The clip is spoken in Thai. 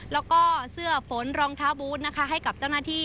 แล้วก็เสื้อฝนรองเท้าบูธนะคะให้กับเจ้าหน้าที่